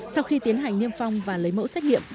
sau khi tiến hành niêm phong và lấy mẫu xét nghiệm